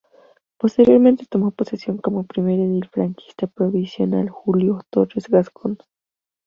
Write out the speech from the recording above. Posteriormente tomó posesión como primer edil franquista provisional Julio Torres Gascón.